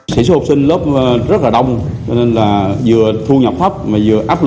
sở học sinh lớp rất là đông cho nên là vừa thu nhập hấp